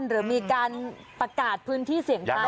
หรือมีการประกาศพื้นที่เสี่ยงท้าย